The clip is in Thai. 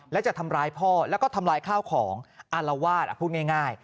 และจะทำร้ายพ่อแล้วก็ทำลายข้าวของอารวาสพูดง่าย